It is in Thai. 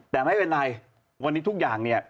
แต่ไม่เป็นไรวันนี้ทุกอย่างเนี่ย